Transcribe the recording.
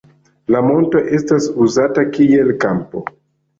La monto estas uzata kiel kampo.